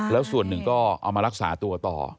แล้วส่วนหนึ่งก็เอามารักษาตัวต่อ